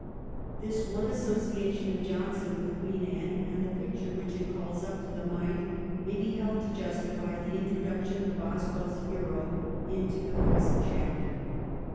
This one association of Johnson with Queen Anne and the picture which it calls up to the mind may be held to justify the introduction of BosweU's hero into the present chapter.